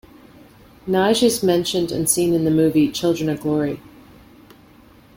Nagy is mentioned and seen in the movie "Children of Glory".